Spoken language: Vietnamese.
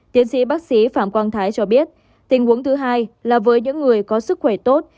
tiến sĩ bác sĩ phạm quang thái cho biết tình huống thứ hai là với những người có sức khỏe tốt